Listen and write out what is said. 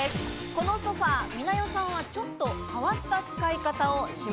このソファ美奈代さんはちょっと変わった使い方をします。